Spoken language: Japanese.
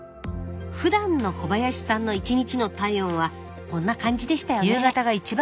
ふだんの小林さんの１日の体温はこんな感じでしたよね。